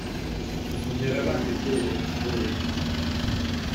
Non eravate solo, voi?